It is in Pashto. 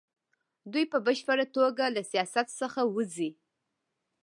دوی په بشپړه توګه له سیاست څخه وځي.